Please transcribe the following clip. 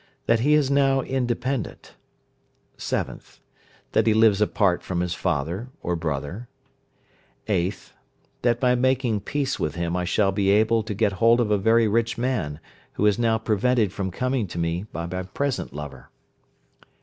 That he is now independent. 7th. That he lives apart from his father, or brother. 8th. That by making peace with him I shall be able to get hold of a very rich man, who is now prevented from coming to me by my present lover.